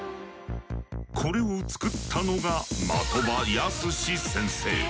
これを作ったのが的場やすし先生。